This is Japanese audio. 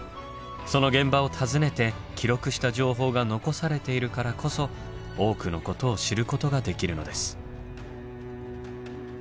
その現場を訪ねて記録した情報が残されているからこそ多くのことを知ることができるのです。